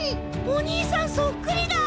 お兄さんそっくりだ！